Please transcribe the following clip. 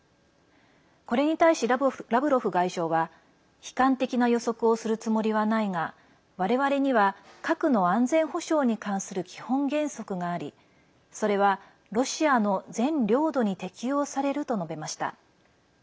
これに対し、ラブロフ外相は悲観的な予測をするつもりはないが我々には核の安全保障に関する基本原則がありそれはロシアの全領土に適用されると述べました。